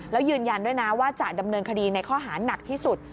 แล้วยืนยันด้วยนะว่าจะดำเนินคดีในข้อหานักที่สุด